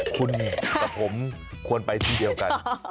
คุณกับผมควรไปที่เดียวกัน